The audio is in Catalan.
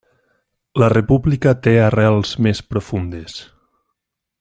La república té arrels més profundes.